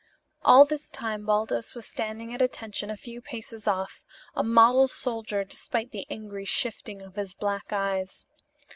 All this time Baldos was standing at attention a few paces off, a model soldier despite the angry shifting of his black eyes.